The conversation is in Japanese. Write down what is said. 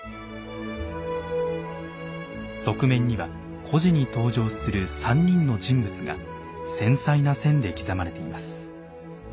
側面には故事に登場する３人の人物が繊細な線で刻まれています。